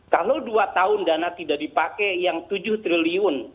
kalau dua tahun dana tidak dipakai yang tujuh triliun